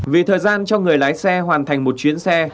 vì thời gian cho người lái xe hoàn thành một chuyến xe